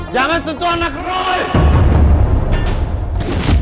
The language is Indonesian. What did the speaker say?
jangan sentuh anak roy